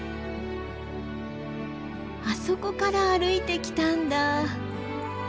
あそこから歩いてきたんだ。